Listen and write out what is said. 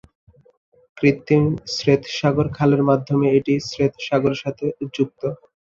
কৃত্রিম শ্বেত সাগর খালের মাধ্যমে এটি শ্বেত সাগরের সাথে যুক্ত।